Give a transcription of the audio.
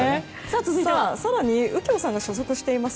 続いて右京さんが所属しています